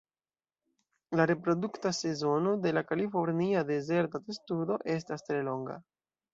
La reprodukta sezono de la Kalifornia dezerta testudo estas tre longa.